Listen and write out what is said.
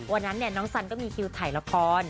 วันนั้นน้องสันก็มีคิวถ่ายละคร